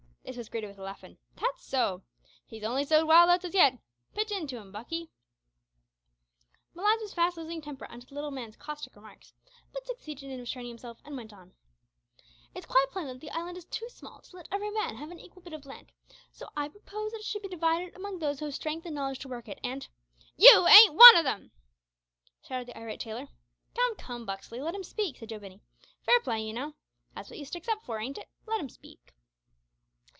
This was greeted with a laugh and "That's so." "He's only sowed wild oats as yet." "Pitch into him, Buckie." Malines was fast losing temper under the little man's caustic remarks, but succeeded in restraining himself, and went on: "It's quite plain that the island is too small to let every man have an equal bit of land, so I propose that it should be divided among those who have strength and knowledge to work it, and " "You ain't one o' them," shouted the irate tailor. "Come, come, Buxley let him speak," said Joe Binney, "fair play, ye know. That's what you sticks up for, ain't it? Let 'im speak."